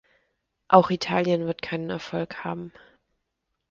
Auch Italien wird keinen Erfolg haben.